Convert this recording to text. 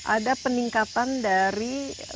ada peningkatan dari